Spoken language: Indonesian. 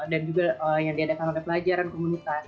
dan juga yang diadakan oleh pelajaran komunitas